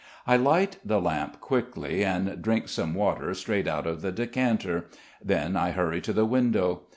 I light the lamp quickly and drink some water straight out of the decanter. Then I hurry to the window.